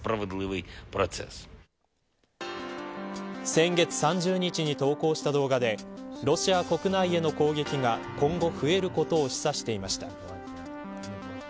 先月３０日に投稿した動画でロシア国内への攻撃が今後増えることを示唆していました。